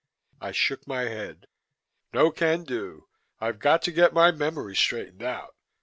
I shook my head. "No can do. I've got to get my memory straightened out.